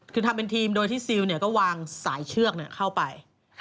คือทำเป็นทีมโดยที่ซิลก็วางสายเชือกเข้าไป